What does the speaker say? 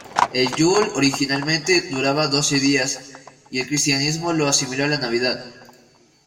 El Yule originalmente duraba doce días y el cristianismo lo asimiló a la Navidad.